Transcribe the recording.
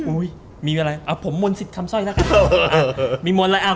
อุ้ยมีอะไรอ่ะผมมนสิทธิ์คำสร้อยแล้วกันเออมีมนอะไรอ่ะ